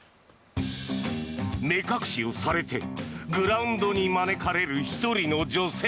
目隠しをされてグラウンドに招かれる１人の女性。